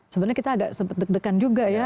sebenarnya kita agak deg degan juga ya